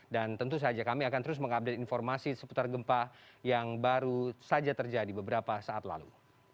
dan tentu saja kami akan terus mengupdate informasi seputar gempa yang baru saja terjadi beberapa saat lalu